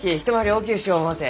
大きゅうしよう思うて。